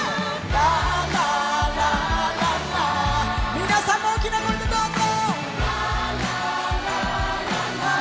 皆さんも大きな声でどうぞ！